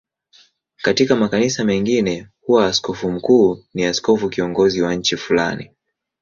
Katika makanisa mengine huwa askofu mkuu ni askofu kiongozi wa nchi fulani.